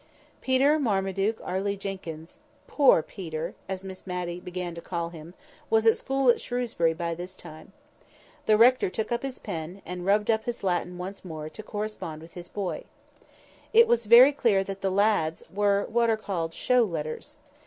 Peter Marmaduke Arley Jenkyns ("poor Peter!" as Miss Matty began to call him) was at school at Shrewsbury by this time. The rector took up his pen, and rubbed up his Latin once more, to correspond with his boy. It was very clear that the lad's were what are called show letters.